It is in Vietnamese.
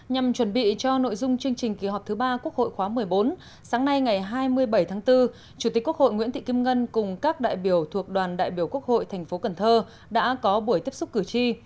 nhằm chuẩn bị cho nội dung chương trình kỳ họp thứ ba quốc hội khóa một mươi bốn sáng nay ngày hai mươi bảy tháng bốn chủ tịch quốc hội nguyễn thị kim ngân cùng các đại biểu thuộc đoàn đại biểu quốc hội tp cần thơ đã có buổi tiếp xúc cử tri